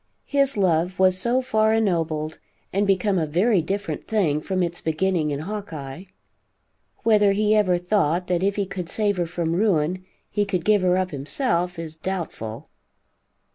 His love was so far ennobled, and become a very different thing from its beginning in Hawkeye. Whether he ever thought that if he could save her from ruin, he could give her up himself, is doubtful.